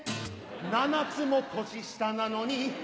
７つも年下なのに